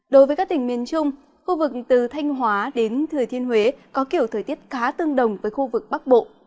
đối với các tỉnh miền trung khu vực từ thanh hóa đến thừa thiên huế có kiểu thời tiết khá tương đồng với khu vực bắc bộ